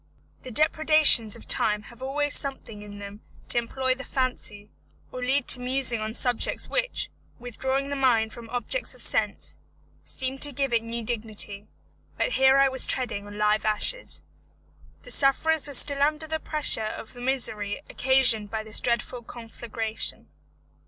The depredations of time have always something in them to employ the fancy, or lead to musing on subjects which, withdrawing the mind from objects of sense, seem to give it new dignity; but here I was treading on live ashes. The sufferers were still under the pressure of the misery occasioned by this dreadful conflagration.